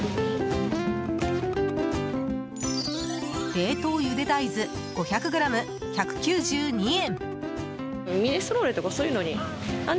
冷凍ゆで大豆５００ｇ１９２円。